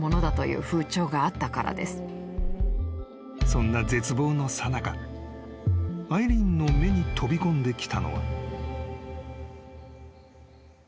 ［そんな絶望のさなかアイリーンの目に飛び込んできたのは］